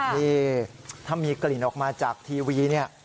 นี่ถ้ามีกลิ่นออกมาจากทีวีเนี่ย